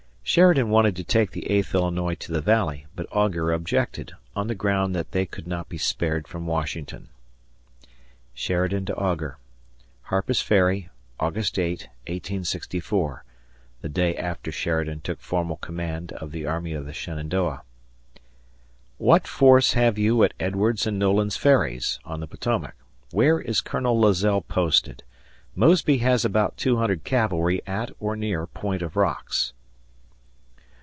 Sheridan wanted to take the Eighth Illinois to the Valley, but Augur objected, on the ground that they could not be spared from Washington. [Sheridan to Augur] Harper's Ferry, August 8, 1864. [The day after Sheridan took formal command of the Army of the Shenandoah.] What force have you at Edwards's and Noland's ferries? (On the Potomac.) Where is Colonel Lazelle posted? Mosby has about 200 cavalry at, or near, Point of Rocks.